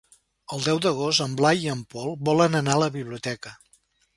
El deu d'agost en Blai i en Pol volen anar a la biblioteca.